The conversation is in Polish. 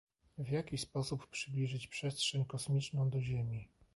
w jaki sposób przybliżyć przestrzeń kosmiczną do Ziemi